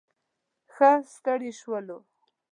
ښه ستړي شولو.